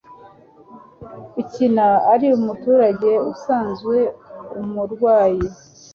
ukina ari umuturage usanzwe umurwayi